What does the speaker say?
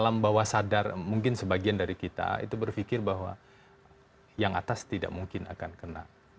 alam bawah sadar mungkin sebagian dari kita itu berpikir bahwa yang atas tidak mungkin akan kena